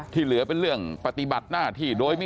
ที่เหลือเป็นเรื่องปฏิบัติหน้าที่โดยมิ